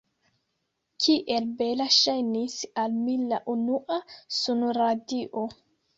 Kiel bela ŝajnis al mi la unua sunradio!